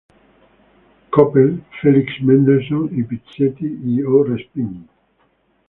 Koppel, Felix Mendelssohn, I. Pizzetti y O. Respighi.